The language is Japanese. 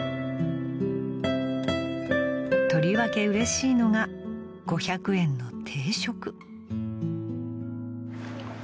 ［とりわけうれしいのが５００円の定食］